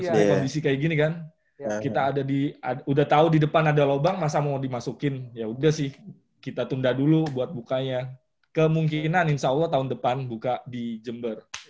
masih ada kondisi kayak gini kan kita udah tau di depan ada lobang masa mau dimasukin yaudah sih kita tunda dulu buat bukanya kemungkinan insya allah tahun depan buka di jember